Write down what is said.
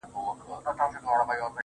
گراني په تا باندي چا كوډي كړي.